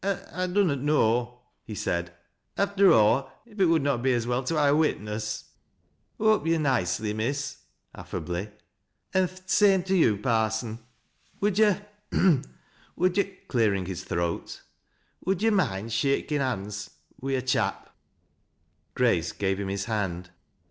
" I dunnot know," he said, " after aw, if it would not be as well to ha' a witness. Hope yo're nicely, Miss," affably ;" an' th' same to yo', Parson. Would yo '," clearing his throat, " would yo' moind shakin' bonds wi' a chap?" Grace gave him his hand.